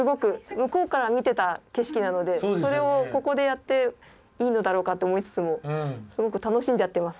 向こうから見てた景色なのでそれをここでやっていいのだろうかって思いつつもすごく楽しんじゃってます。